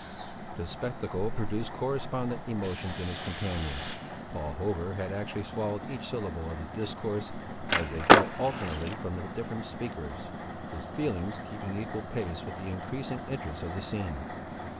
The spectacle produced correspondent emotions in his companions. Paul Hover had actually swallowed each syllable of the discourse as they fell alternately from the different speakers, his feelings keeping equal pace with the increasing interest of the scene.